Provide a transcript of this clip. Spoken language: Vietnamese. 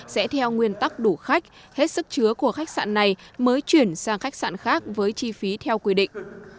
sẽ theo nguyên tắc đủ khách hết sức chứa của khách sạn này mới chuyển sang khách sạn khác với chi phí theo quy định